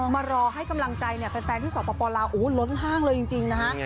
มารอให้กำลังใจแฟนที่สปลาวล้นห้างเลยจริงนะฮะ